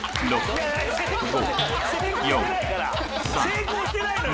成功してないから！